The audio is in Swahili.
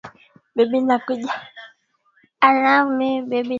Mara ni mkoa wenye makabila mengi zaidi nchini Tanzania sehemu ya kwanza